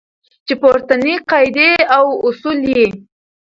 چې پورتنۍ قاعدې او اصول یې